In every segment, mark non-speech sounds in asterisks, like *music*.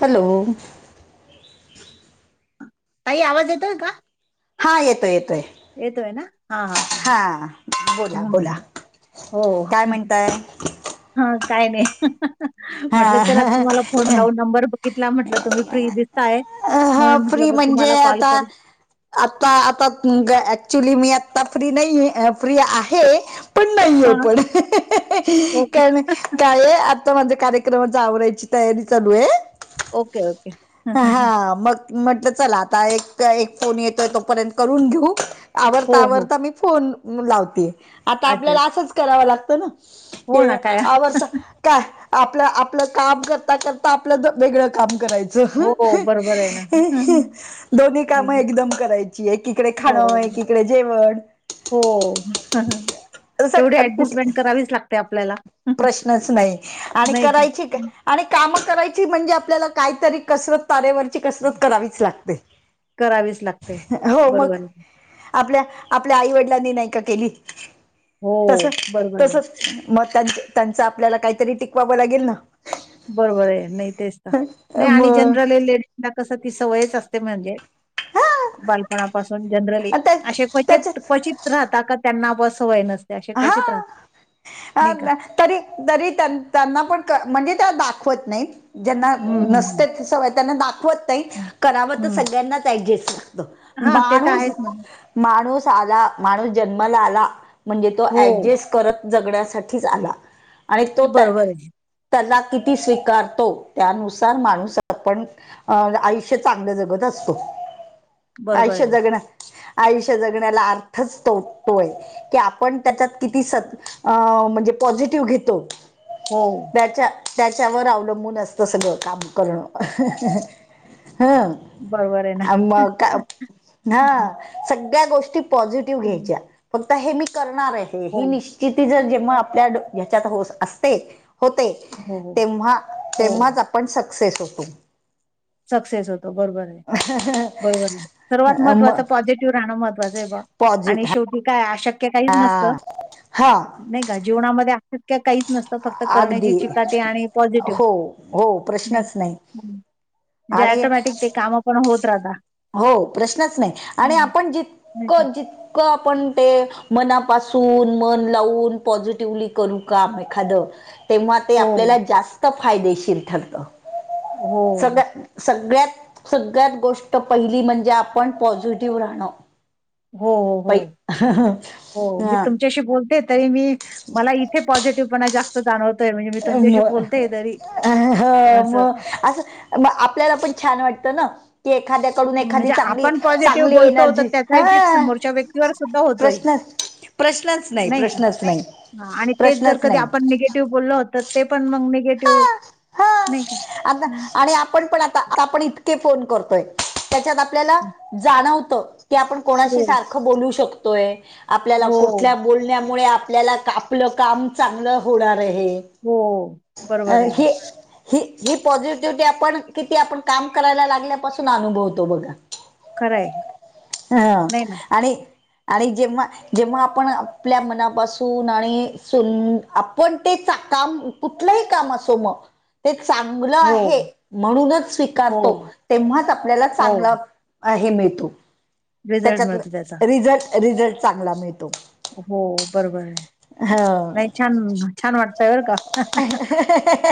Hello. काही आवाज येतोय का? हा येतोय, येतोय. येतोय ना? हां हां हां. हा, बोला बोला. काय म्हणताय? हा, काय नाही. म्हटलं हा चला तुम्हाला फोन लावून नंबर बघितला म्हटलं, तुम्ही फ्री दिसताय. हा म्हणून म्हटलं फ्री बघ म्हणजे तुम्हाला कॉल आता करू. आता आता ऍक्च्युली मी आता फ्री नाही फ्री आहे. पण नाहीे हां. पण. ओके, कारण काय आता म् आवरायची तयारी चालू आहे. ओके. ओके. हा मग म्हटलं चला आता एक एक फोन येतोय, तोपर्यंत करून घेऊ. आवरता हो, हो. आवरता मी फोन लावते. आता अच्छा. आपल्याला असंच करावं लागतं ना. हो ना हे, काय आवर् काय आपलं आपलं काम करता-करता आपलं वेगळं काम करायचं. हो बरोबर आहे ना. दोन्ही काम एकदम करायची. एकीकडे खान हो, एकीकडे जेवण. हो. तेवढी असं कुठ ऍडजस्टमेंट करावीच लागते आपल्याला. प्रश्नच नाही. आणि करायची का आणि कामं करायची म्हणजे, आपल्याला काहीतरी कसरत ताऱेवरची कसरत करावीच लागते. करावीच लागते. हो. मग बरोबर आहे. आपल्या आपल्या आईवडिलांनी नाही का केली. हो, तस बरोबर आहे. तसच मग त्या त्यांच आपल्याला काहीतरी टिकवावं लागेल ना. बरोबर आहे. नाही तेच तर. नाही आणि मग जनरल लेडीजना कस ती सवयच असते म्हणजे? बालपणापासून जनरली. त्या असे क्चित त्याच्यात क्वचित राहता का त्यांना आप सवय नसते. ते असे क्वचित राहत. हा नाही का? तरी तरी त्यांना पण म्हणजे त्या दाखवत नाही. ज्यांना हं, हं, हं, नसते सवय त्यांना दाखवत नाही हं. करावं तर हं. सगळ्यांनाच ऍडजेस्ट, हां, ते तर बाणूस, आहेच ना. माणूस आला माणूस जन्माला आला म्हणजे तो हो, ऍडजस्ट, करत जगण्यासाठीच आला आणि तो, बरोबर आहे, तेला किती स्वीकारतो त्यानुसार माणूस आपण, अ आयुष्य चांगलं जगत असतो. बरोबर आयुष्य आहे. जगणं आयुष्य जगण्याला अर्थच तो तो आहं. कि आपण त्याच्यात किती स आ म्हणजे पॉझिटिव्ह घेतो. हो. त्याच्या त्याच्यावर अवलंबून असतं सगळं काम करणं ह् अह्. बरोबर आहे ना. अ मग का हा हं, सगळ्या गोष्टी पॉझिटिव्ह हं. घ्यायच्या. आता हे मी करणार आहे ते हो, ही निश्चितीचा जिमा आपल्या डो ह्याच्यात हो असते. होते हो, हो, तेव्हा हो. तेव्हाच आपण सक्सेस होतो. सक्सेस होतो बरोबर आहे बरोबर आहे सर्वात म महत्त्वाचं पॉझिटिव्ह राहणं महत्वाचं आहे बूवा. आणि पॉझिट शेवटी काय अशक्य काहीच हा नसतं. हा नाही का जिवणामध्ये असशक्य काहीच नसतं. फक्त करण्याची अगदी चिकाटी आणि पॉझिटिव हो हो नाही प्रश्नच का? जे आणि ऑटोमॅटिक ते काम पण होत राहता. हो प्रश्नच नाही आणि आपण नाही का? जितकं जित क आपण ते मनापासून मन लावून पॉझिटिवली करू काम एखादं. तेव्हा ते हो, आपल्याला जास्त फायदेशीर ठरत हो, सध्या. सगळ्यात सगळ्यात गोष्ट पहिली म्हणजे आपण पॉझिटिव्ह राहणं. हो हो हो पै हो मी तुमच, तुमच्याशी बोलते तरी मी मला इथे पॉझिटिव्ह पणा जास्त जाणवतोय. मी अम तुमच्याशी बोलते तरी ह्अ होय म असं अस म आपल्याला पण छान वाटतं ना की एखाद्या कडून एखादी म्हणजे चांगली आपण पॉझिटिव्ह चांगली बोलतो तर एनर्जी त्याचा इफेक्ट ह्अ समोरच्या व्यक्तीवर सुद्धा होतोय, प्रश्न, प्रश्नच नाही, प्रश्नच नाही, प्रश्नच नाही. ते बोलला होतो ते पण मग निगेटिव्ह हा हा नाही का. आता हं, आणि आपण पण आता आता आपण इतके फोन करतोय. त्याच्यात आपल्याला हं. जाणवत की आपण कोणाशी हो, सारखं बोलू शकतोय. आपल्याला हो. कुठल्या बोलण्यामुळे आपल्याला आपलं काम चांगलं होणार आहे. हो, अ बरोबर आहे ना. हि हि ही पॉझिटिव्हटी आपण किती आपण काम करायला लागल्यापासून अनुभवतो बघा. खरं आहे. हा नाही ना. आणि आणि जेव्हा, जेव्हा आपण आपल्या मनापासून आणि सुद आपण ते चा काम, कुठलही काम असो म, चांगलं हो, आहे म्हणूनच हो, स्वीकारतो तेव्हाच आपल्याला हो. चांगलं, हे मिळतो रिझल्ट मिळतो त्याचा. त्याच्यात रिझल्ट रिझल्ट चांगला मिळतो. हो बरोबर आहे नाही छान छान वाटूतय बरं का.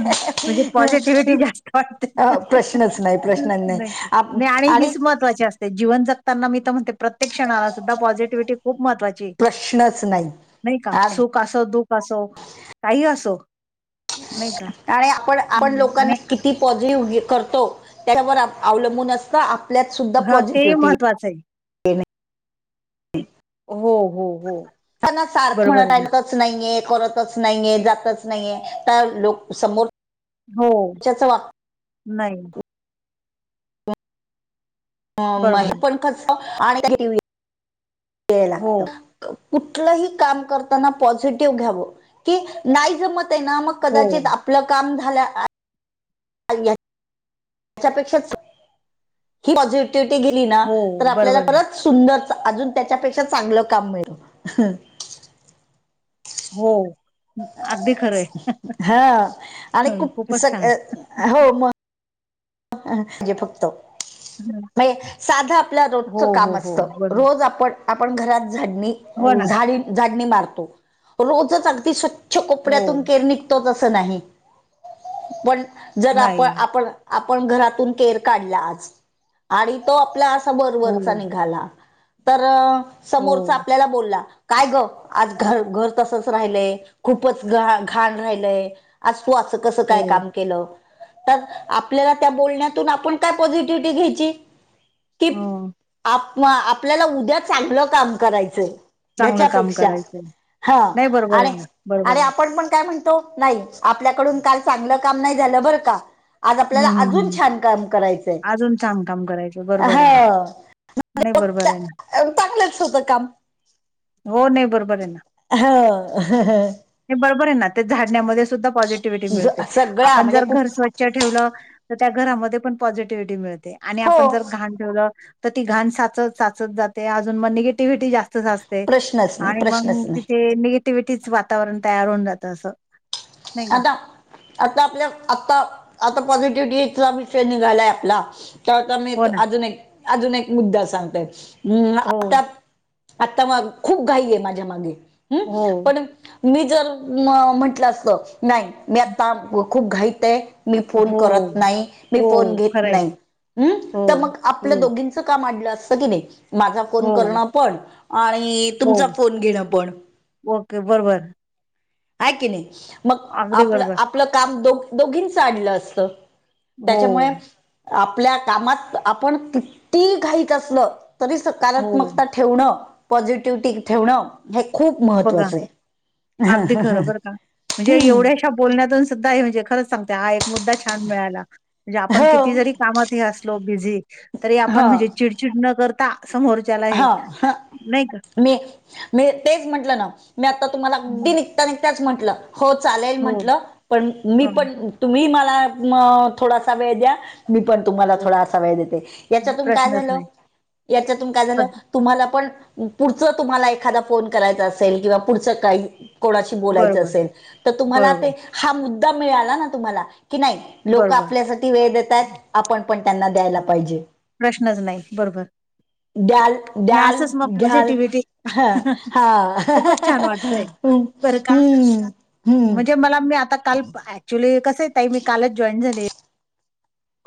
म्हणजे पॉझिटिव्हिटी जास्त वाटते. प्रश्नच नाही प्रश्नच नाही. आप आणि, महवाची असते जिवन जगताना मी तर म्हणते प्रत्येक क्षणाला सुद्धा पॉझिटिव्हटी खूप महत्वाची आहे. प्रश्नच नाही. नाही का आणि सुख असो दुख असो काही असो, नाही का. आणि आपण-आपण हं आणि लोकांना किती पॉझिटिव्हली करतो, त्याच्यावर अवलंबून असत. आपल्यात सुद्धा पॉझिटिव्हटी महत्वाचय *inaudible* हो-हो-हो, त्यांना सारख म्हणत आहे तच नाहीये, करतच नाहीये, जातच नाहीये, तर लोक समोर हो, नाही. बरोबर आहे. हे पण कस आणि काही गेला. हो, कुठलही काम करताना पॉझिटिव्ह घ्याव, की नाही जमत ते ना मग हो, कदाचित आपलं काम झालं त्याच्यापेक्षा ही पॉझिटिव्हटी गेली ना, तर हो, आपल्याला बरोबर आहे. परत सुंदर, अजून त्याच्यापेक्षा चांगलं काम मिळत. हो, अगदी खरं आहे. हा, आणि हं, खूप खूपच सग छान. हो मग जे फक्त हं, मग हे साधं आपल हो, रोजचं काम हो, हो, असतं, बरोबर. रोज आपण आपण घरात झाडणी हो ना, झाड झाडणी मारतो, रोजच अगदी स्व च्छ हो, कोपऱ्यातून केर निघतोच असं नाही, पण जर नाही. आपण-आपण आपण घरातून केर काढलाच आणि तो आपला असा वर हो, वरचा निघाला, तर समोरचा हो, आपल्याला बोलला काय ग आज घर -घर तसच राहिलय, खूपच घ घाण राहिलय आज तू असं कसं काय हो, काम केलं तर आपल्याला त्या बोलण्यातून आपण काय पॉझिटिव्हिटी घ्यायची कि हं, आप-आपल्याला उद्या चांगलं काम करायचंय. चांगलं काम ह्याच्यापेक्षा करायचंय. हा नाही बरोबर आहे ना, बरोबर आणि-आणि आहे. आपण पण काय म्हण तो नाही आपल्याकडून काल चांगलं काम नाही झालं बर का आज आपल्याला हं, हं, अजून हं. छान काम करायचंय. अजून छान काम करायचंय बरोबर आहे ना. ह नाही मग बरोबर आहे ना. चांगलंच होतं काम हो नाही बरोबर आहे ना *inaudible* बरोबर आहे ना ते झाडण्यामध्ये सुद्धा पॉझिटिव्हिटी मिळते सगळा आपण म्हणजे जर घर कुठ स्व च्छ ठेवलं तर त्या घरामध्ये पण पॉझिटिव्हिटी मिळते आणि आपण हो जर घाण ठेवलं तर ती घाण साचत-साचत जाते अजून मग निगेटिव्हटी जास्त साच ते प्रश्नच नाही आणि मग प्रश्नच नाही तिथे निगेटिव्हटीच वातावरण तयार होऊन जात असं नाही का? आता-आता आपल्या आता-आता पॉझिटिव्हटीचा विषय निघालाय आपला त्याता मी हो ना. अजून एक अजून एक मुद्दा सांगते हम्म हो, आता आता मग खूप घाई आहे माझ्या मागे हम्म हो, पण मी जर म-म्हंटलं असत नाही मी आता खूप घाईत आहे. मी फोन हो, करत नाही मी फोन हो. घेत खरंय. नाही हम्म हो, तर मग आपल्या हो, दोघी च काम अडल असत कणी माझं फोन हो, करण पण आणि तुमचा हो. फोन घेणं पण ओके बरोबर. आहे की नाही मग अगदी आपलं बरोबर. आप आपलं काम दो दोघीं अडल असत हो, त्याच्यामुळे आपल्या कामात, आपण किती घाईत असलं तरी, हो. सकारात्मकता टिक ठेवण, पॉझिटिव्हिटी ठेवणं हे खूप बघा महत्त्वाचं आहे. अगदी खरं बरं *inaudible* का. म्हणजे हम्म एवढ्याशा बोलण्यातून सुद्धा हे म्हणजे खरंच सांगते आहे. मुद्दा छान मिळाला म्हणजे आपण किती हो जरी कामात, हे असलो बिझी, तरी ह आपण म्हणजे चिड चीड न करता समोर हा हा, मी मी तेच म्हंटलं ना, मी आता तुम्हाला *unintelligible* हं. तेच तेच म्हंटलं, हो चालेल हो, म्हंटलं, पण मी हं, पण तुम्ही मला म थोडासा वेळ द्या मी पण तुम्हाला हो. थोडासा वेळ देते. याच्यातून काय प्रश्नच झालं? नाही. याच्यातून काय झालं? बच तुम्हाला पण, पुढचं तुम्हाला एखादा फोन करायचा असेल किंवा पुढचं काही कोणाशी बोलायचं बरोबर, असेल, तर तुम्हाला ते बरोबर, हा मुद्दा मिळाला ना तुम्हाला, की नाही. लोक बरोबर. आपल्यासाठी वेळ देता येत. आपण पण त्यांना द्यायला पाहिजे. प्रश्नच नाही बरोबर. द्याल हे द्याल असच मग घ्याल पॉझिटिव्हीटी. ह हा खूपच छान वाटतय, हम्म बरं का? हम्म हम्म. म्हणजे मला मी आता काल ऍक्च्युली, कसंय ताई मी कालच जॉईन झाली.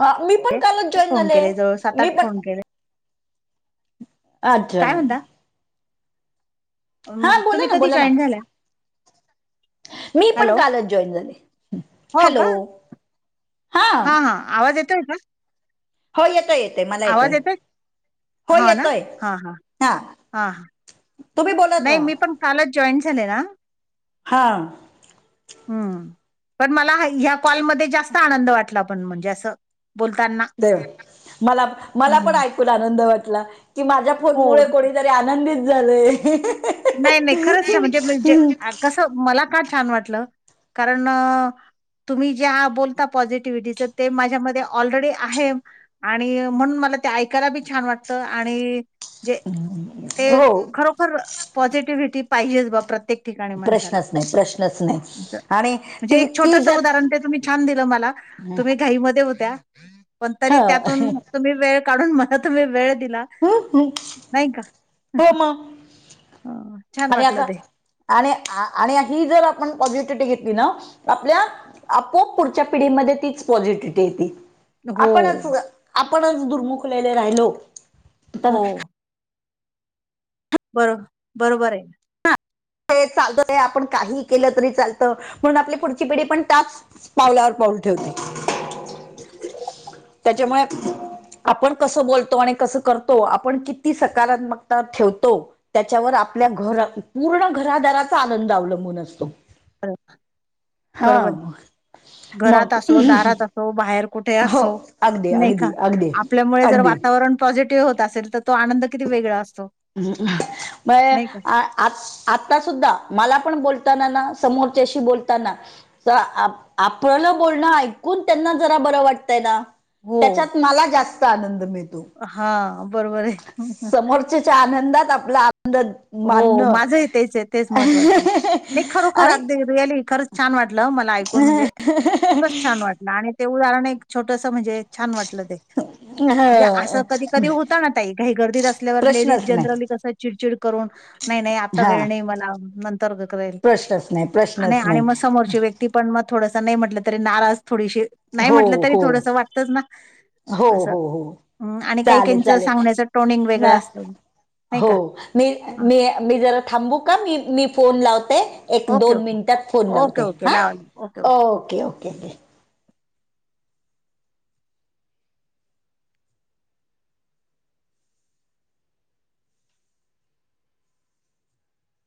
अ मी पण कालच जॉईन फोन झाले. केले जवळ मी पण. फोन केले. अच्छा. काय अ हा बोला तुम्ही ना कधी बोला ना जॉईन झाल्या. मी पण हॅलो, कालच जॉईन झाले. हो का? हॅलो हा हा, आवाज येतोय का? हो येतोय येतोय, मला येतोय. हो ना? येतोय, हां, हां. हा. हां, हां. तुम्ही बोलत नाही राहा. मी पण कालच जॉईंन झाले ना. हां. हम् पण मला ह्या कॉलमध्ये जास्त आनंद वाटला, पण म्हणजे असं बोलताना. ते मला मला पण हं. ऐकून आनंद वाटला, की माझ्या हो. फोनमुळे कुणीतरी आनंदित झालंय. नाही नाही खरंच म्हणजेे जे कसं मला का छान वाटलं? कारण तुम्ही ज्या बोलता पॉझिटिव्हीटीच, ते माझ्यामध्ये ऑलरेडी आहे. आणि म्हणून मला ते ऐकायला बी छान वाटतं आणि जे ते हो खरोखर पॉझिटिव्हीटी पाहिजेच बा प्रत्येक ठिकानी माणसाला प्रश्नच नाही प्रश्नच नाही आणि म्हणजे ती एक ती छोटस जर उदाहरण ते तुम्ही छान दिलं मला. तुम्ही घाईमध्ये होत्या पण, तरी त्यातून ह तुम्ही वेळ काढून, मला तुम्ही वेळ दिला. हू हू. हो मग. हा. आणि असं आणि आणि ही जर आपण पॉझिटिव्हीटी घेतली ना, आपल्या आपोआप पुढच्या पिढीमध्ये तीच पॉझिटिव्हीटी येते. हो, आपणच आपणच दुर्मुखलेले राहिलो तर हो. बरो बरोबर आहे. ते चालत, ते आपण काही केलं तरी चालतं म्हणून आपली पुढची पिढी पण त्याच पावलावर पाऊल ठेवते, त्याच्यामुळे आपण कसं बोलतो आणि कसं करतो. आपण किती सकारात्मकता ठेवतो. त्याच्यावर आपल्या घर, पूर्ण घरादाराचा आनंद अवलंबून असतो. बरो- हा बरोबर आहे. मग. तो बाहेर कुठे हो असो अगदी नाही का? अगदी अगदी आपल्यामुळे जर अगदी वातावरण पॉझिटिव्ह होत असेल तर तो आनंद किती वेगळा असतो. बर नाही का? आ. आ आता सुुद्धा मला पण बोलताना ना समोरच्याशी बोलताना तर आपल्याला बोलणं ऐकून त्यांना जरा बरं वाटतंय ना हो. त्याच्यात मला जास्त आनंद मिळतो. हा बरोबर ये. समोरच्याच्या आनंदात आपला आनंद हो मानणं माझही तेच ये तेच महत्वाचं मी खरोखर आणि अगदी रिअली खरंच छान वाटलं मला ऐकून म्हणजे खूपच छान वाटलं आणि ते उदाहरण एक छोटस म्हणजे छान वाटलं ते म्हणजे ह असं कधी कधी होत ना ताई घाई गर्दीत असल्यावर लेडीज प्रश्नच जनरली नाही कस चिडचिड करून नाही नाही आत्ता हा वेळ नाही मला नंतर करेल. प्रश्नच नाही आणि प्रश्नच आणि नाही मग समोरची व्यक्ती पण मग थोडस नाही म्हटलं तरी नाराज थोडीशी नाही हो म्हटलं तरी हो थोडस वाटतच ना हो असं हो हो आणि काही चालेल काहींचं चालेल सांगण्याच टोनिंग वेगळं ना असत. हो मी मी मी जरा थांबू का मी मी फोन लावते. एक ओके, दोन ओके, मिनिटात फोन ओके, लावते ओके. हा लावा, लावा. Okay okay okay